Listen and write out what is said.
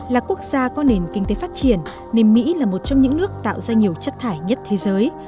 là quốc gia có nền kinh tế phát triển nên mỹ là một trong những nước tạo ra nhiều chất thải nhất thế giới